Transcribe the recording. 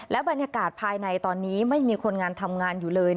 บรรยากาศภายในตอนนี้ไม่มีคนงานทำงานอยู่เลย